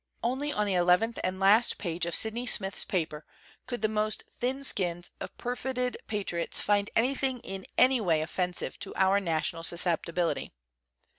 Only on the eleventh and last page of Sydney Smith's paper could the most thin skinned of perfervid patriots find anything in any way offensive to our national susceptibility.